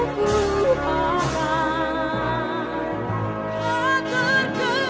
kau ku banggakan